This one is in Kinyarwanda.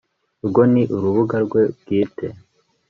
urwo ni urubuga rwe bwite